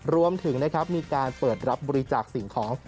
รวมถึงนะครับมีการเปิดรับบริจาคสิ่งของ